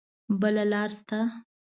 بله لار شته؟